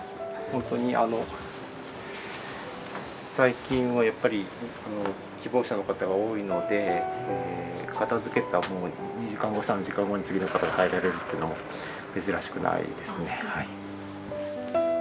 ほんとにあの最近はやっぱり希望者の方が多いので片づけた２時間後３時間後に次の方が入られるっていうのも珍しくないですね。